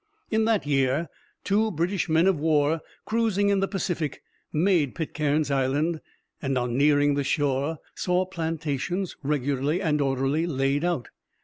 In that year two British men of war, cruising in the Pacific, made Pitcairn's Island, and on nearing the shore, saw plantations regularly and orderly laid out.